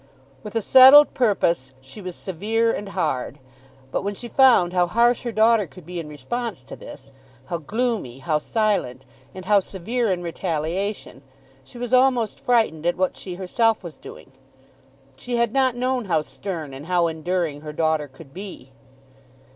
With a settled purpose she was severe and hard. But when she found how harsh her daughter could be in response to this, how gloomy, how silent, and how severe in retaliation, she was almost frightened at what she herself was doing. She had not known how stern and how enduring her daughter could be.